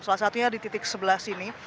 salah satunya di titik sebelah sini